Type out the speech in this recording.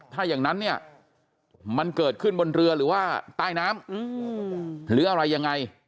ถ้าอย่างนั้นเนี่ยมันเกิดขึ้นบนเรือหรือว่าใต้น้ำหรืออะไรยังไง